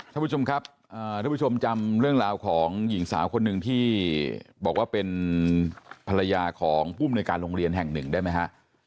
ท่านผู้ชมครับท่านผู้ชมจำเรื่องราวของหญิงสาวคนหนึ่งที่บอกว่าเป็นภรรยาของผู้มนุยการโรงเรียนแห่งหนึ่งได้ไหมฮะ